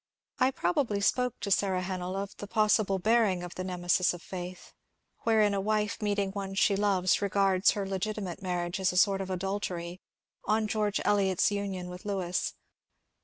I probably spoke to Sara Hennell of the possible bearing of the " Nemesis of Faith "— wherein a wife meeting one she loves regards her legitimate marriage as a sort of adultery — on George Eliot's union with Lewes.